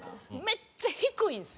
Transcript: めっちゃ低いんです。